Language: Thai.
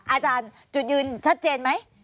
อาจารย์จุดยืนชัดเจนไหม